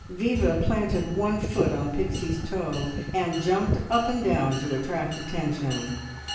Viva planted one foot on Pixie's toe, and jumped up and down to attract attention.